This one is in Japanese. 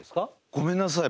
ごめんなさい。